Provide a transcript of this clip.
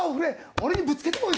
俺にぶつけてくれ！